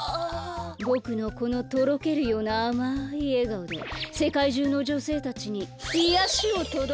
ぼくのこのとろけるようなあまいえがおでせかいじゅうのじょせいたちにいやしをとどけてあげよう。